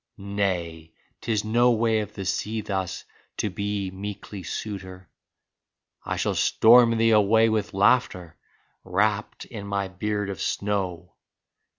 Nay, 'tis no way of the sea thus to be meekly suitor — I shall storm thee away with laughter wrapped in my beard of snow.